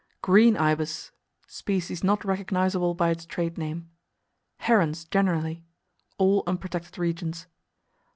"Green" Ibis Species not recognizable by its trade name. Herons, generally All unprotected regions.